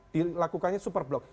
dilakukannya super block